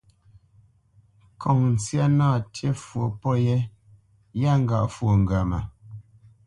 Ŋkɔŋ ntsyá nâ ntī fwo pôt yɛ́, yâ ŋgâʼ fwo ŋgəmə.